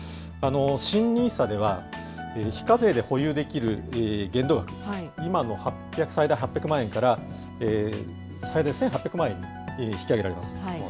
新ＮＩＳＡでは非課税で保有できる限度額、今の最大８００万円から最大１８００万円に引き上げられます。